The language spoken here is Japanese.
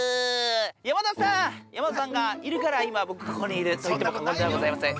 山里さん、山里さんがいるから、今僕がここにいるといっても過言ではございません。